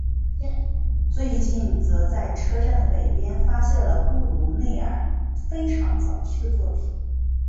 最近则在车站的北边发现了布鲁内尔非常早期的作品。